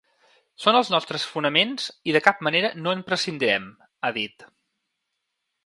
Són els nostres fonaments i de cap manera no en prescindirem, ha dit.